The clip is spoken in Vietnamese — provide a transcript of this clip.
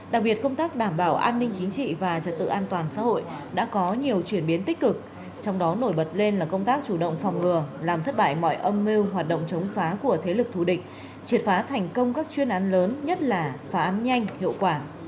đặc biệt công tác đảm bảo an ninh chính trị và trật tự an toàn xã hội đã có nhiều chuyển biến tích cực trong đó nổi bật lên là công tác chủ động phòng ngừa làm thất bại mọi âm mưu hoạt động chống phá của thế lực thù địch triệt phá thành công các chuyên án lớn nhất là phá án nhanh hiệu quả